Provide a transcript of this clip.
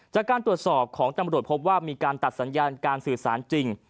จากการตรวจสอบของตำรวจพบว่ามีการตัดสัญญาณการสื่อสารจริง